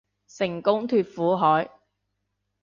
成功脫苦海